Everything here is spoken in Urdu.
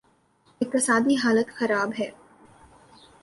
اقتصادی حالت خراب ہے۔